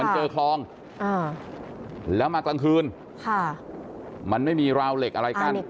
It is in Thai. มันเจอคลองแล้วมากลางคืนค่ะมันไม่มีราวเหล็กอะไรกัน